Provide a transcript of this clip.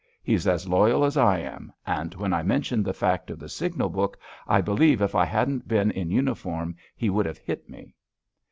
He's as loyal as I am, and when I mentioned the fact of the signal book I believe if I hadn't been in uniform he would have hit me."